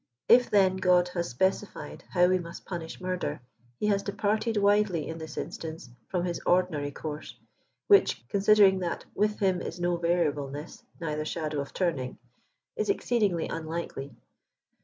If then God has speci fied how we must punish murder, he has departed widely, in this instance, from his ordinary course, which, considering that with Him is no variableness, neither shadow of turning, is ex ceedingly unlikely.